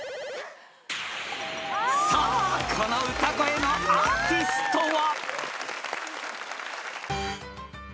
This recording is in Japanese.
［さあこの歌声のアーティストは？］